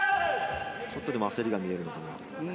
ちょっとでも焦りが見えるのかな？